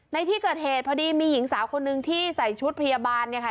ในที่เกิดเหตุพอดีมีหญิงสาวคนนึงที่ใส่ชุดพยาบาลเนี่ยค่ะ